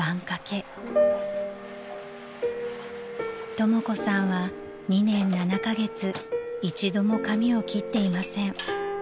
［とも子さんは２年７カ月一度も髪を切っていません］